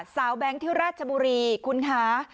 แบงค์ที่ราชบุรีคุณคะ